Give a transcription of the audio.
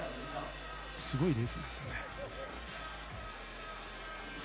すごいレースですね。